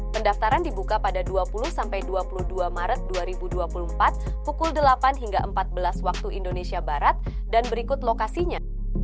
pendaftaran dibuka pada dua puluh sampai dua puluh dua maret dua ribu dua puluh empat pukul delapan hingga empat belas waktu indonesia barat dan berikut lokasinya